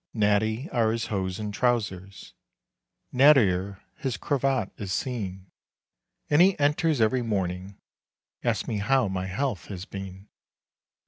Natty are his hose and trousers, Nattier his cravat is seen; And he enters every morning, Asks me how my health has been.